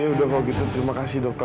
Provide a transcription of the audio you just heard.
yaudah kalau gitu terima kasih dokter